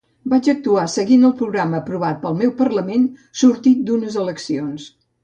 Vaig actuar seguint el programa aprovat pel meu parlament, sortit d’unes eleccions.